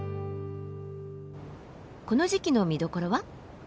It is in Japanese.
この時期の見どころは？